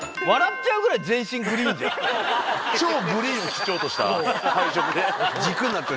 超グリーンを基調とした配色で。